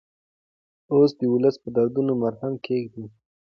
او د ولس په دردونو مرهم کېږدو.